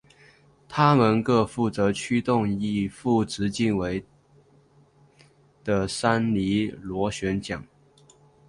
它们各负责驱动一副直径为的三叶螺旋桨。